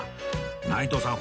内藤さん